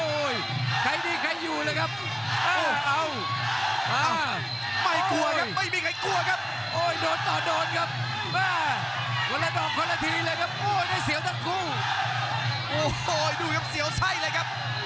โอ้ยดูครับเสียวใส่เลยครับ